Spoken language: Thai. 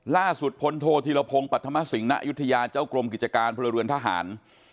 ล่าสุดพลโทธิลพงษ์ปัฒนมสิงห์น้อยุธยาเจ้ากรมกิจการพลเรือนทหาร